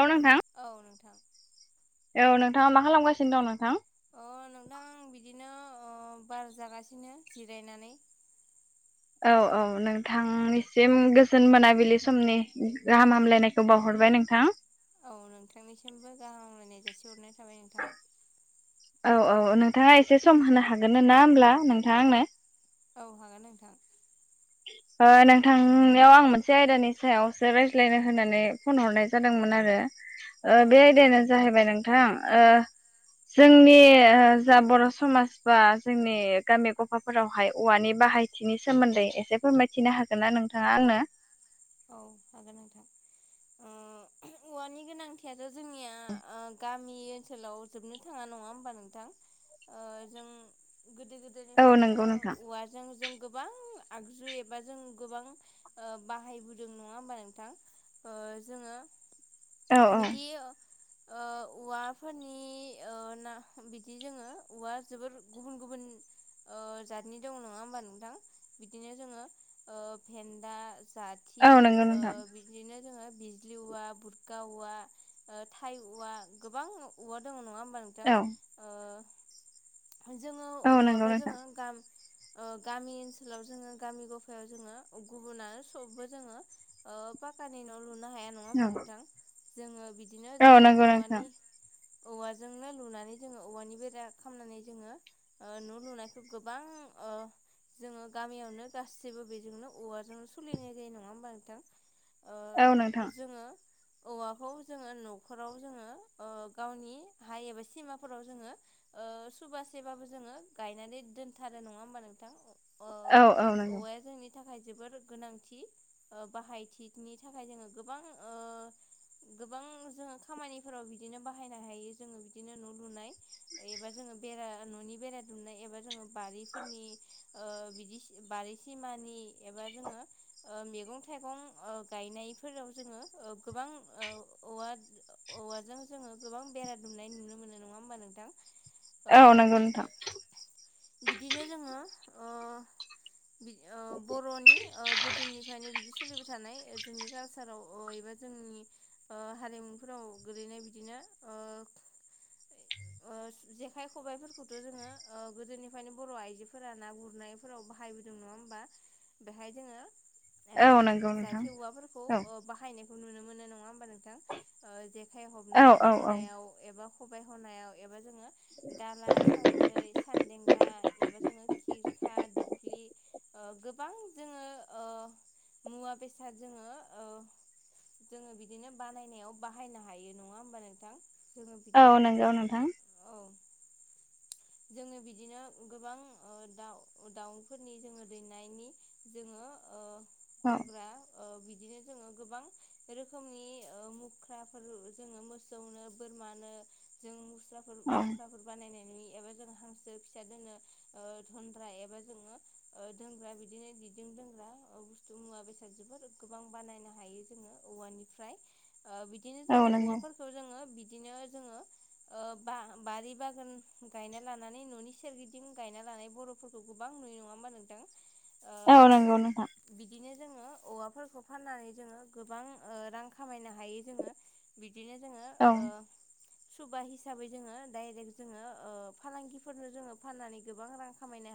एनो नोंथां। औ नोंथां औ नोंथाङा मा खालामगासिनो दं नोंथां? अ नोंथां बिदिनो बार जागासिनो जिरायनानै औ-औ नोंथांनिसिम गोजोन मोनाबिलि समनि गाहाम हामलायनायखौ बावहरबाय नों नोंथां औ नोंथांनिसिमबो गाहामलायनाय जासिहरनाय थाबाय नोंथां औ-औ नोंथाङा एसे सम होनो हागोन ना ना होमब्ला नोंथाङा आंनो औ हागोन नोंथां [inaudible] ओ नोंथांनियाव आं मोनसे आयदानि सायावसो रायज्लायनो होननानै फन हरनाय जादोंमोन आरो ओ औ बे आयदायानो जाहैबाय नोंथां ओ जोंनि जा बर' समाज बा जोंनि गामि गफाफोरावहाय औवानि बा बाहायथिनि सोमोन्दै एसे फोरमायथिनो हागोन ना नोंथाङा आंनो औ हागोन नोंथां ओ औवानि गोनांथिया जोंनि ओ गामि जोंनि ओनसोलाव जोबनो थाङा नङा होमबा नोंथां जों ओ गोदो औ गोदायनिफ्रायनो नंगौ नोंथां औवाजों जों गोबां आगजु एबा जों गोबां बाहाय दों नङा होमबा नोंथां ओ जोङो औ बिदि औ ओ औवाफोरनि ना बिदि जोङो औवा जोबोर गुबुन गुबुन गुबुन ओ जादनि दं नङा होनबा नोंथां बिदिनो जोङो भेनदा जाथि औ नंगौ ओ नोंथां। बिदिनो जोङो बिजलि औवा बुरगा औवा थाइ औवा गोबां औवा दङ नङा हम बा औ नोंथां जोङो औ नंगौ औवाखौ नोंथां जोङो गामि ओ गामि ओनसोलाव जोङो गामि गफायाव जोङो गुबुननो सबबो जोङो ओ फाक्कानि न लुनो हाया नङा होमबा औ नोथां जोङो बिदिनो औ जोङो नंगौ नोंथां औवानि औवाजोंनो लुनानै जोङो औवानि बेरा खामनानै जोङो न' लुनायखौ गोबां ओ [inaudible] जोङो गामियावनो गासिबो बेजोंनो औवाजोंनो सोलिनाय जायो नङा होमबा औ नोंथां नोंथां जोङो औवाखौ जोङो न'खराव जोङो गावनि हाइ एबा सिमाफोराव जोङो सुबासेबाबो जोङो गायनानै दोनथारो नङा होमबा नोंथां औ-औ नंगौ नि थाखाय जोबोर गोनांथि बाहायथिनि थाखाय जोङो गोबां गोबां जोङो खामानिफोराव बिदिनो बाहायनो हायो जोङो बिदिनो न' लुनाय एबा जों बेरा न'नि बेरा दुमनाय एबा जोङो बारिफोरनि बिदि बारि सिमानि एबा जोङो मैगं थाइगं गायनायफोराव जोङो गोबां औवा औवाजों जोङो गोबां बेरा दुमनाय नुनो मोनो नङा होमबा नोंथां औ ओ नंगौ नोंथां बिदिनो जोङो ओ बर'नि गोदो नि बिदि स सलिबाय थानाय जोंनि कालसाराव एबा जोंनि हारिमुफोराव गोलैनाय बिदिनो [inaudible] जेखाय खबाइफोरखौथ' जोङो गोदोनिफ्रायनो बर' आइजोफोरा ना गुरनायफोराव बाहाय बोदों नङा होमबा बेहाय जोङो औ नंगौ ओ नोंथां जाथि औवाफोरखौ औ बाहायनायखौ नुनो मोनो नङा होमब नों थां जेखाय हब औ औ औ हनायाव एबा खबाय हनायाव एबा जोङो दाला सानद्रै सानदेंगा एबा जोङो खिरखा दुख्लि गोबां जोङो ओ मुवा बेसाद जोङो जोङो बिदिनो बानायनायाव बाहायनो हायो नङा होमबा नोंथां जोङो औ बिदिनो नंगौ नोंथां औ। जोङो बिदिनो गोबां दाउ दाउफोरनि जोङो दैनायनि जोङो ओ औ गग्रा ओ दिनो जोङो गोबां रोखोमनि मुख्राफोर जोङो मोसौनो बोरमानो जों म औ मुस्राफोर बानायनाय नुयो एबा हांसो फिसा दोनो दोनग्रा एबा जोङो दोनग्रा बिदिनो दिदुं दोंग्रा मुवा बेसाद जोबोद गोबां बानायनो हायो जोङो औवानिफ्राय बिदिनो औ जोङो नंगौ औवाफोरखौ जोङो बिदिनो जोङो ब बारि बागान गायना लानानै न'नि सोरगिदिं गायना ल बर'फोरखौ गोबां नुयो नङा होमबा नोंथां ओ औ नंगौ नोंथां बिदिनो जोङो औवाफोरखौ फाननानै जोङो गोबां रां खामायनो हायो हायो जोङो बिदिनो जोङो औ सुबा हिसाबै जोङो डाइरेक्ट जोङो फालांगिफोरनो जोङो फाननानै गोबां रां खामाय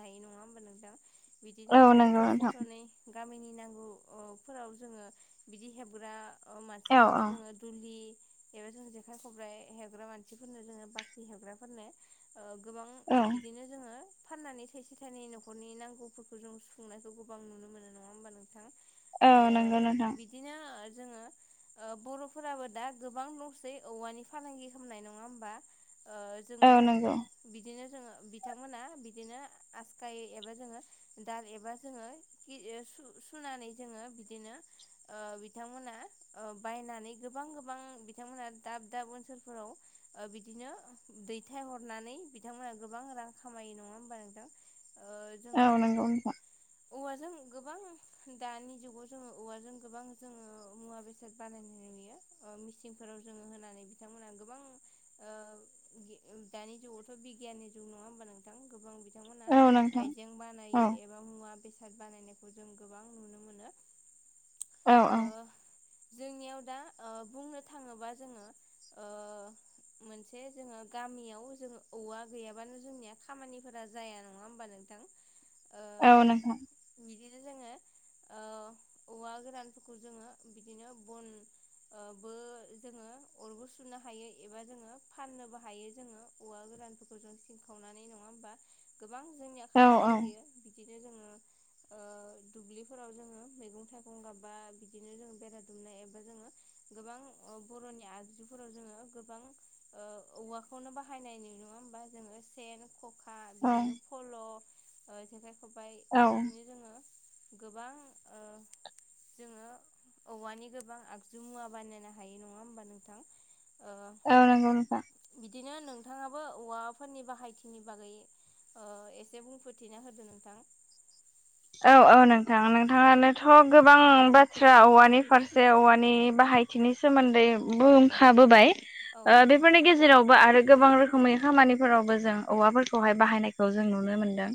बिदिनो औ जोङो नंगौ थरसे नोंथां थरनै गामिनि नांगौ फोराव जोङो बिदि हेबग्रा अ औ मानसिफोरनो औ जोङो दुलि एबा जों जेखाय खबाइ हेवग्रा मानसिफोरनो जोङो बाख्रि हेवग्राफोरनो गोबां औ बिदिनो जोङो फाननानै थाइसे थाइनै न'खरनि नांगौफोरखौ जों सुफुंनायखौ गोबां नुनो मोनो नङा होमबा नों औ नंगौ नोंथां ओ बिदिनो जोङो बर'फोराबो दा गोबां न'सै औवानि फालांगि खालामनाय नङा होमबा। औ जोङो नंगौ बिदिनो जो बिथांमोना बिदिनो आसखायो एबा जोङो दाल एबा जोङो सुनानै जोङो बिदिनो ओ बिथांमोना ओ बायनानै गोबां गोबां बिथांमोना दाब दाब ओनसोलफोराव बिदिनो दैथायहरनानै बिथांमोना। गोबां रां खामायो नङा होमबा नोंथां औ जोङो नंगौ नोंथां औवाजों गोबां दानि जुगाव जोङो औवाजों गोबां जोङो मुवा बेसाद बानायनाय नुयो मिसिनफोराव जोङो होनानै बिथांमोना गोबां ओ दानि जुगावथ बि नङा होमबा नोंथां गोबां बिथांमोना औ नोंथां आइजें औ बानायो एबा मुवा बेसाद बानायनाय खौ जों गोबां नुनो मोनो औ ओ औ। जोंनियाव दा बुंनो थाङोबा जोङो ओ मोनसे जोङो गामियाव जों औवा गैयाबानो जोंनिया खामानिफोरा जाया नङा होमबा। नोंथां ओ औ नोंथां। बिदिनो जोङो औवा गोरानफोरखौ जोङो बिदिनो बन बो जोङो अरबो सुनो हायो एबा जोङो फाननोबो हायो जोङो औवा सिंखावनानै नङा होमबा गोबां जोंनिया औ खामानि औ होयो बिदिनो जोङो ओ [inaudible] दुब्लिफोराव जोङो मैगं थाइगं गाबबा बिदिनो जोंङो बेरा दुमनाय एबा जोङो गोबां बर'नि आगजुफोराव जोङो गोबां ओ औवाखौनो बाहायनाय नुनो होमबा जोङो सेन खखा औ बिदिनो फल' जेखाइ खबाइ औ बिदिनो जोङो गोबां ओ जोङो औवानि गोबां आगजु मुवा बानायनो हायो नङा होमबा नोंथां। ओ नंगौ नोंथां। बिदिनो नोंथाङाबो औवाफोरनि बाहायथिनि बागै एसे बुंफोरथिना होदो नोंथां। औ औ नोंथां नोंथाङानोथ' गोबां बाथ्रा औवानि फारसे औवानि बाहायथि नि सोमोन्दै बुंखाबोबाय औ नंगौ बेफोरनि गेजेरावबो आरो गोबां रोखोम रखोमै खामानिफोरावबो जों औवाफोरखौहाय बाहायनायखौ जों नुनो मोन्दों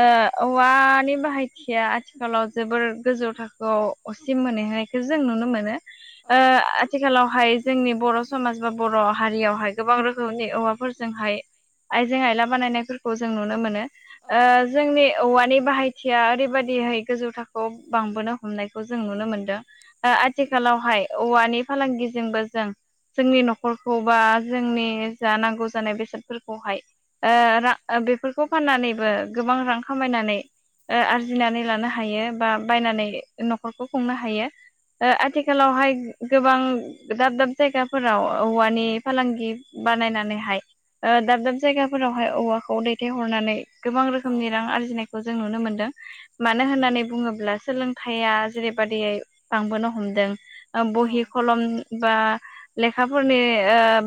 ओ औ औवानि बा हायथिया आथिखालाव जोबोर गोजौ थाखोआव असिम मोनहैहोनायखौ जों नुनो मोनो औ ओ आथिखालाव हाय जोंनि बर' समाज बा बर' हारियावहाय गोबां रोखोमनि औवाफोरजोंहाय आइजें आइला बानायनायफोरखौ जों नुनो मोनो ओ नंगौ जोंनि औवानि बाहायथि यथिया ओरैबायदिहै गोजौ थाखोआव बांबोनो हमनायखौ जों नुनो मोन्दों औ आथिखालावहाय औवानि फालांगिजोंबो जों जोंनि न'खरखौ बा जोंनि जा नांगौ जानाय बेसादफोरखौहाय ओ औ रा बेफोरखौ फाननानैबो गोबां रां खामायनानै आरजिनानै लानो हायो बा बायनानै न'खरखौ खुंनो हायो ओ आथिखालावहाय गोबां दाब दाब जायगाफोराव औवानि फालांगि बानायनानैहाय दाब दाब जायगाफोरावहाय औवाखौ दैथायहरनानै गोबां औ रोखोमनि रां आरजिनायखौ जों नुनो मोनदों मानो होननानै बुङोब्ला सोलोंथाइया जेरैबायादियै बांबोनो हमदों बहि खलम बा लेखाफोरनि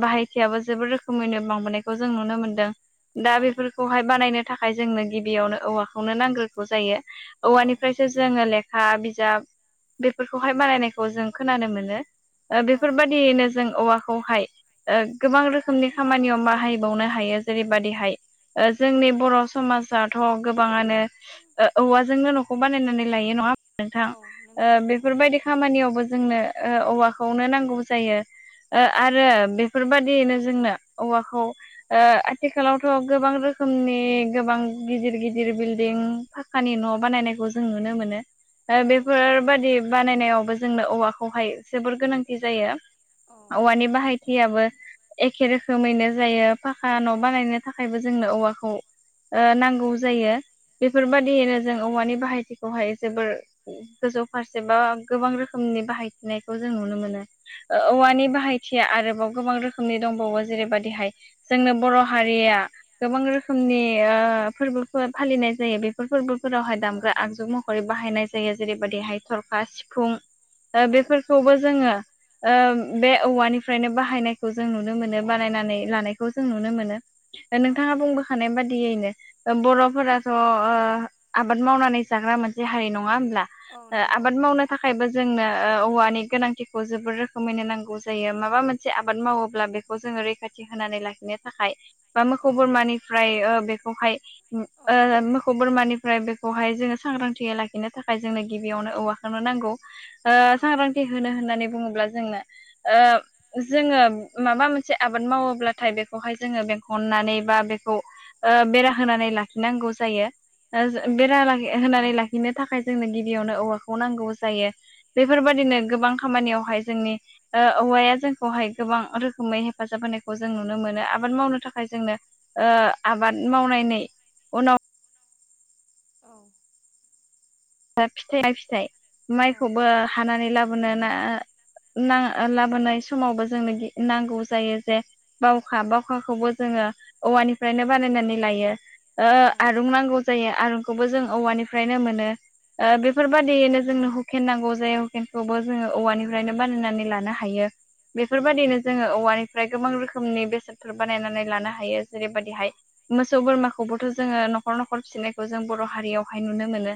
बाहायथियाबो जोबोद रोखोमैनो बांबोनायखौ जों नुनो मोनदों दा बेफोरखौहाय बानायनो थाखाय जोंनो गिबियावनो औवाखौनो नांग्रोगौ जायो औ औवानिफ्रायसो जोङो लेखा बिजाब बेफोरखौहाय बानायनायखौ जों खोनानो मोनो। औ बेफोरबायदियैनो जों औवा खौहाय गोबां रोखोमनि खामानियाव बाहायबावनो हायो जेरैबायदिहाय। जोंनि बर' समाजाथ गोबां गोबाङानो समाजाथ' औवाजोंनो न'खौ गोबाङानो औवाजोंनो बानायनानै लायो नङा बानायनानै लायो। नोंथां औ नंगौ नंगौ। बेफोर बायदि खामानियावबो जोंनो औवाखौनो नांगौ जायो। ओ औवाखौनो नांगौ। औ। बेफोरबायदियैनो जोंनो औवाखौ औ। आरो बेफोरबादि बानायनायावबो बेफोरबायदियैनो जोंनो औवाखौ जोंनो आथिखालावथ' गोबां रो रोखोमनि गोबां गिदिर गिदिर गिदिर बिल्डं फाखानि न' बानायनायखौ जों नुनो मोनो औवाखौहाय जोबोर गोनांथि जायो। औ। एखे बेफोर बादि बानायनायावबो जोंनो औवाखौहाय जोबोर गोनांथि जायो। रोखोमैनो जायो औ। बाहायथिया आरोबाव गोबां औवानि बाहायथियाबो एखे रोखोमैनो जायो। फाखा न' रोखोमनि दंबावो बानायनो थाखायबो जोंनो औवाखौ नांगौ जायो। बेफोरबायदियैनो जों औवानि बाहायथिखौहाय जोबोर गोजौ फारसे बा गोबां रोखोमनि नि बाहायथिनायखौ जों नुनो मोनो जेरैबायदिहाय औवानि बाहायथिया आरो गोबां रोखोमनि दंबावो जेरैबायदिहाय जोंनो बर' हारिया गोबां रोखोमनि फोरबोफोर फालिनाय जायो बेफोर फोरबोफोरावहाय औ दामग्रा आगजु महरै बाहायनाय जायो जेरैबायदिहाय थरखा, सिफुं औ बेफोरखौबो जोङो बे औवानिफ्रायनो बाहायनायखौ जों नुनो मोनो बानायनानै लानायखौ जों नुनो मोनो। औ नोंथाङा बुंबोखानाय बादियैनो बर' फोराथ' आबाद मावनानै जाग्रा मोनसे हारि नङा औ नंगौ आबाद मावनो थाखायबो। जोंनो औवानि गोनांथिखौ जोबोर रोखोमैनो नांगौ जायो माबा मोनसे आबाद मावोब्ला बेखौ जों रैखाथि होनानै लाखिनो थाखाय बा मोसौ औ बोरमानिफ्राय बेखौहाय ओ औ मोखौ बोरमानिफ्राय बेखौहाय जोङो सांग्रांथियै लाखिनो थाखाय जोंनो गिबियावनो औवाखौनो नां नांगौ औ ओसांग्रांथि होनो। होननानै बुङोब्ला जोंनो ओ जोङो माबा मोनसे आबाद मावोब्लाथाय बेखौहाय जोङो बेंखननानै बा बेखौ ओ बेरा होनानै लाखि नांगौ जायो ओ औ जो बेरा होनानै लाखि लाखिनो थाखाय जोंनो गिबियावनो औवाखौ नांगौ जायो बेफोर औ बायदिनो गोबां खामानियावहाय जोंनि ओ औवाया जोंखौहाय गोबां रोखोमै हेफाजाब होनायखौ जों नुनो मोनो आबाद मावनो थाखाय जोंनो ओ आबाद मावनायनि उनाव औ। फिथाया फिथाइ औ माइखौबो हानानै लाबोनो ना ओ लाबोनाय समावबो जोंनो नांगौ जायो जे बावखा बावखाखौबो जोंनो औवानिफ्रायनो बानायनानै लायो। ओ औ आरुं नांगौ जायो आरुंखौबो जों औवानिफ्रायनो मोनो। ओ बेफोर बायदियैनो जोंनो हु हुकेन नांगौ जायो हुकेनखौबो जोङो औवानिफ्रायनो बानायनानै लानो हायो। बेफोर बायदिनो जोङो औवानि फ्राय गोबां रोखोमनि बेसादफोर बानायनानै लानो हायो जेरै बायदिहाय मोसौ बोरमाखौबोथ' जोङो न'ख न'खर फिसिनायखौ जों बर' हारियावहाय नुनो मोनो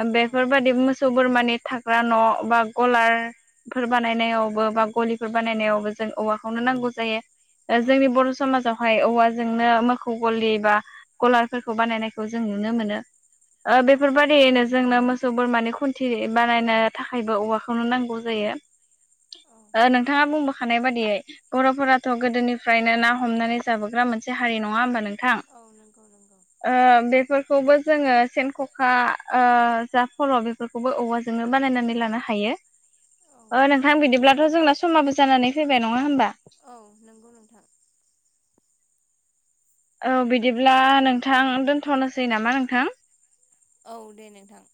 ओम बेफोर बायदि मोस मोसौ बोरमानि थाग्रा न' बा गलारफोर बानायनायावबो बा गलिफोर बानायनायावबो जों औवाखौनो नांगौ जायो औ जोंनि बर' समाव हाय औवाजोंनो मोखौ गलि बा गलारफोरखौ बानायनायखौ जों नुनो मोनो। ओ औ बेफोर बादियैनो। जोंनो मोसौ बोरमानि खुन्थि बानायनो थाखायबो औवाखौनो नांगौ जायो। औ नोंथाङा बुंबोखानाय बायदियै बर'फोराथ' गोदोनिफ्रायनो ना हमनानै जाबोग्रा मोनसे हारि नङा होमबा नों? औ नंगौ नंगौ। बेफोरखौबो जोङो सेन, ख'खा। ओ जा फल' बेफोरखौबो औवाजोंनो बानायनानै लानो हायो। औ ओ नोंथां बिदिब्लाथ' जोंना समाबो जानानै फैबाय नङा होमबा? औ नोंगौ नोंथां। औ बिदिब्ला नोंथां दोनथ'नोसै नामा नोंथां। औ दे नोंथां।